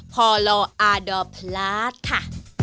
พอลออดอพลาสค่ะ